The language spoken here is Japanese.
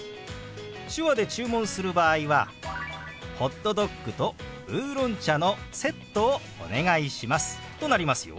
手話で注文する場合は「ホットドッグとウーロン茶のセットをお願いします」となりますよ。